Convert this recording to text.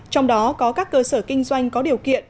trong đó có các cơ sở kinh doanh có điều kiện